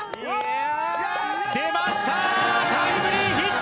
出ましたタイムリーヒット！